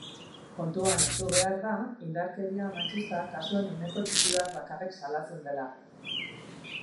Kontuan hartu behar da indarkeria matxista kasuen ehuneko txiki bat bakarrik salatzen dela.